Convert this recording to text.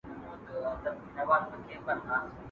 ¬ د دښمن کره ورځم، دوست مي گرو دئ.